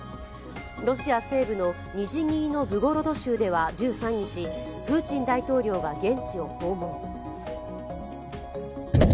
ロシア西部のニジニーノブゴロド州では１３日プーチン大統領が現地を訪問。